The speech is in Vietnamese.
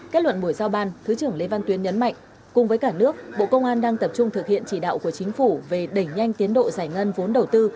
kết luận buổi giao ban thứ trưởng lê văn tuyến nhấn mạnh cùng với cả nước bộ công an đang tập trung thực hiện chỉ đạo của chính phủ về đẩy nhanh tiến độ giải ngân vốn đầu tư